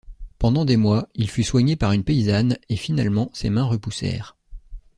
Pendant des mois, il fut soigné par une paysanne et finalement ses mains repoussèrent.